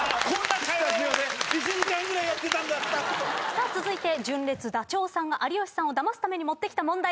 さあ続いて純烈ダチョウさんが有吉さんをダマすために持ってきた問題